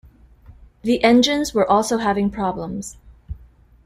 The engines were also having problems.